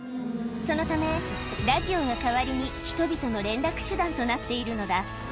そのため、ラジオが代わりに人々の連絡手段となっているのだ。